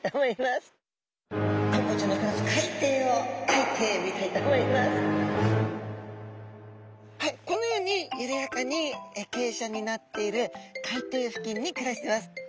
そしてはいこのようにゆるやかにけいしゃになっている海底付近に暮らしてます。